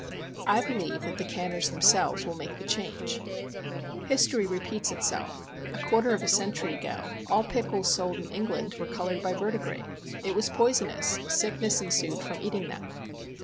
I believe that the canners themselves will make the change. History repeats itself. A quarter of a century ago, all pickles sold in England were colored by verdigris. It was poisonous — sickness ensued from eating them.